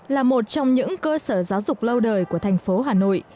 là một trong những cơ sở giáo dục lâu đời của thành phố hà nội